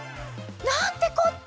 なんてこった！